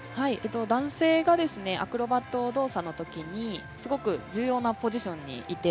男性がアクロバット動作のときにすごく重要なポジションにいて。